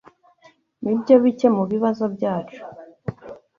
Nibyo bike mubibazo byacu.